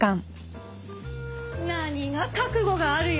何が「覚悟がある」よ！